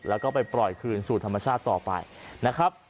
แล้วก็ไปปล่อยคืนสู่ธรรมชาติต่อไปนะครับ